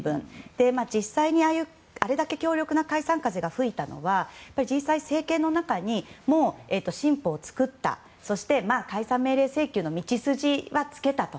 実際にあれだけ強力な解散風が吹いたのは実際、政権の中にもう進歩を作った解散命令請求の道筋はつけたと。